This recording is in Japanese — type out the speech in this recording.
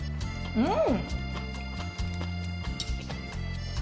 うん！